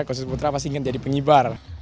khususnya putra pasti ingin jadi pengibar